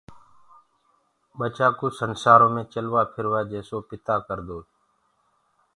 ٻچآ ڪو سنسآرو مي چلوآ ڦروآ جيسو پتآ ڪردوئي